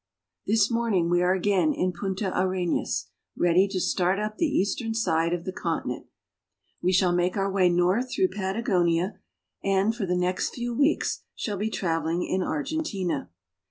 THIS morning we are again in Punta Arenas, ready to start up the eastern side of the continent. We shall make our way north through Patagonia, and for the next few weeks shall be traveling in Argentina.